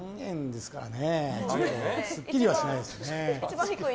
すっきりはしないですね。